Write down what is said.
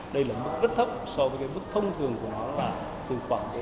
đây là mức rất thấp so với cái mức thông thường của nó là từ khoảng tám chín